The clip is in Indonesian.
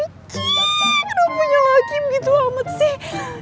kenapa punya lagi begitu amat sih